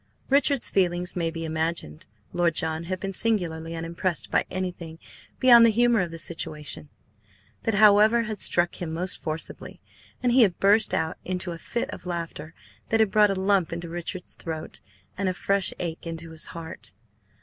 Richard's feelings may be imagined. Lord John had been singularly unimpressed by anything beyond the humour of the situation. That, however, had struck him most forcibly, and he had burst out into a fit of laughter that had brought a lump into Richard's throat, and a fresh ache into his heart.